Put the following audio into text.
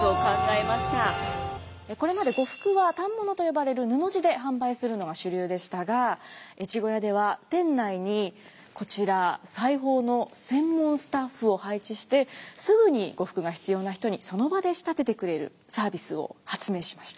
これまで呉服は反物と呼ばれる布地で販売するのが主流でしたが越後屋では店内にこちら裁縫の専門スタッフを配置してすぐに呉服が必要な人にその場で仕立ててくれるサービスを発明しました。